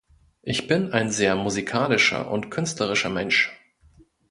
Ich bin ein sehr musikalischer und künstlerischer Mensch.